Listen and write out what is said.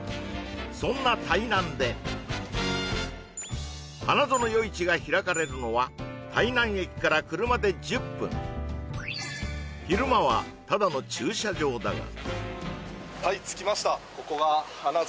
そんな台南で花園夜市が開かれるのは台南駅から車で１０分昼間はただの駐車場だがはい着きました